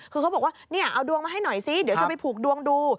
คือเขาบอกว่าเนี่ยเอาดวงมาให้หน่อยซิเดี๋ยวจะไปผูกดวงดู